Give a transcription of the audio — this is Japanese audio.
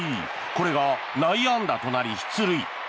これが内野安打となり出塁。